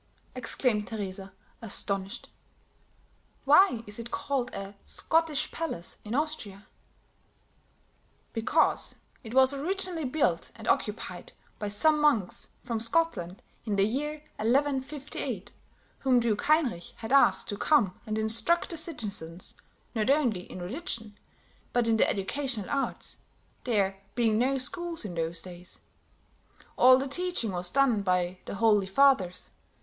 exclaimed Teresa, astonished. "Why is it called a Scottish palace in Austria?" "Because it was originally built and occupied by some monks from Scotland in the year 1158, whom Duke Heinrich had asked to come and instruct the citizens, not only in religion, but in the educational arts, there being no schools in those days; all the teaching was done by the Holy Fathers.